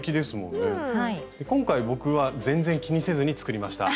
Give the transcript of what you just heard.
今回僕は全然気にせずに作りました。